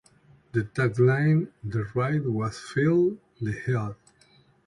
The tagline for the ride was Feel the Heat.